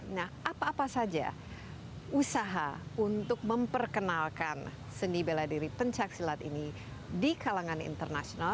nah apa apa saja usaha untuk memperkenalkan seni bela diri pencaksilat ini di kalangan internasional